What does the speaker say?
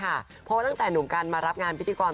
เพราะว่าตั้งแต่หนุ่มกันมารับงานพิธีกร